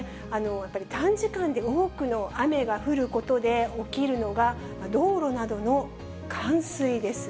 やっぱり短時間で多くの雨が降ることで起きるのが、道路などの冠水です。